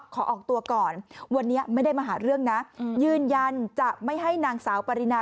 ขอออกตัวก่อนวันนี้ไม่ได้มาหาเรื่องนะยืนยันจะไม่ให้นางสาวปรินา